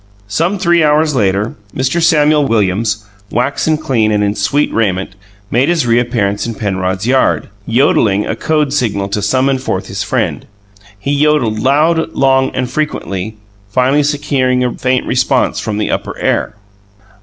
Some three hours later, Mr. Samuel Williams, waxen clean and in sweet raiment, made his reappearance in Penrod's yard, yodelling a code signal to summon forth his friend. He yodelled loud, long, and frequently, finally securing a faint response from the upper air.